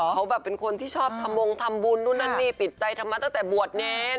เขาแบบเป็นคนที่ชอบทำวงทำบุญนู่นนั่นนี่ติดใจทำมาตั้งแต่บวชเนร